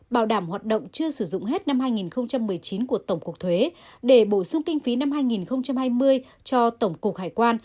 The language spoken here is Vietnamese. bảo đảm hoạt động chưa sử dụng hết năm hai nghìn một mươi chín của tổng cục thuế để bổ sung kinh phí năm hai nghìn hai mươi cho tổng cục hải quan